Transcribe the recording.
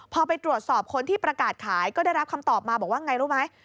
พอไปตรวจสอบคนที่ประกาศขายก็ได้รับคำตอบมาบอกว่าไงรู้ไหม